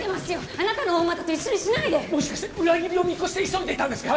あなたの大股と一緒にしないでもしかして裏切りを見越して急いでいたんですか？